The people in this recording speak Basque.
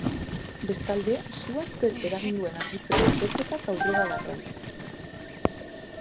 Bestalde, sua zerk eragin duen argitzeko ikerketak aurrera darrai.